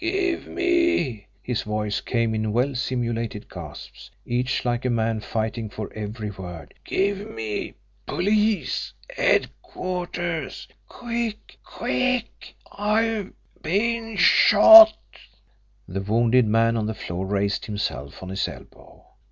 "Give me" his voice came in well simulated gasps, each like a man fighting for every word "give me police headquarters! Quick! QUICK! I've been shot!" The wounded man on the floor raised himself on his elbow.